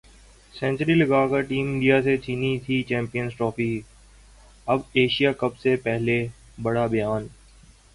century لگا کر team India سے چھینی تھی چمپئنز ٹرافی ، اب ایشیا کپ سے پہلے دیا بڑا بیان